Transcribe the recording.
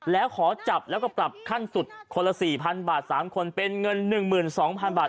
แล้วขอจับแล้วก็ปรับขั้นสุดคนละ๔๐๐๐บาท๓คนเป็นเงิน๑๒๐๐๐บาท